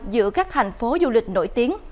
giữa các thành phố du lịch nổi tiếng